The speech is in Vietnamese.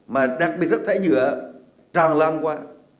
mà đặc biệt rác thải nhựa tràn lan qua